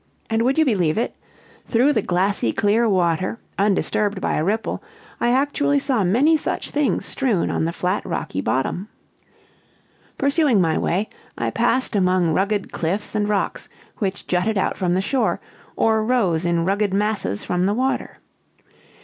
And would you believe it? Through the glassy clear water, undisturbed by a ripple, I actually saw many such things strewn on the flat rocky bottom. "Pursuing my way, I passed among rugged cliffs and rocks which jutted out from the shore, or rose in rugged masses from the water.